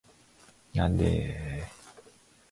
なんでーーー